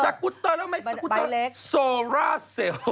กุตเตอร์แล้วไหมสกุตเตอร์เล็กโซร่าเซลล์